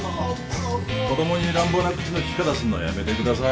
子どもに乱暴な口のきき方するのはやめてください